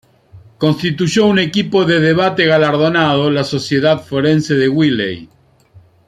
Constituyó un equipo de debate galardonado, la Sociedad Forense de Wiley.